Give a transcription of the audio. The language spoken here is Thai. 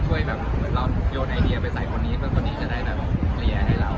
ช่วยแบบเหมือนเราโยนไอเดียไปใส่คนนี้เพื่อคนนี้จะได้แบบเคลียร์ให้เรา